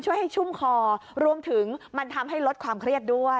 ช่วยให้ชุ่มคอรวมถึงมันทำให้ลดความเครียดด้วย